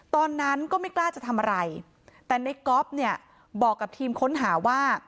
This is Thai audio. ตอนนั้นก็ไม่กล้าจะทำอะไรแต่ในก๊อฟเนี่ยบอกกับทีมค้นหาว่า